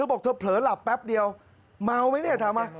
บอกเธอเผลอหลับแป๊บเดียวเมาไหมเนี่ยถามมา